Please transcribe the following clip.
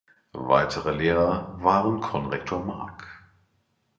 Weitere Lehrer waren Konrektor Mag.